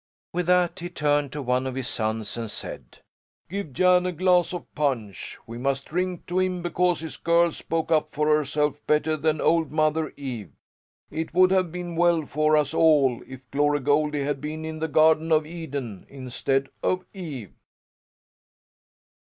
With that he turned to one of his sons, and said: "Give Jan a glass of punch. We must drink to him because his girl spoke up for herself better than old Mother Eve. It would have been well for us all if Glory Goldie had been in the Garden of Eden instead of Eve."